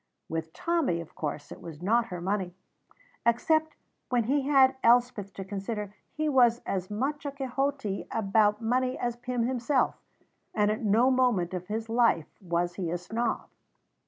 With Tommy, of course, it was not her money. Except when he had Elspeth to consider, he was as much a Quixote about money as Pym himself; and at no moment of his life was he a snob.